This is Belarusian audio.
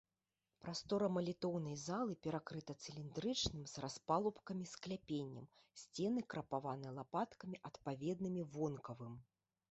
Прастора малітоўнай залы перакрыта цыліндрычным з распалубкамі скляпеннем, сцены крапаваны лапаткамі, адпаведнымі вонкавым.